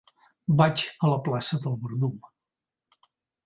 Vaig a la plaça del Verdum.